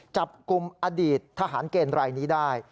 จับกลุ่มอดีตทหารเกณฑ์รายนี้ได้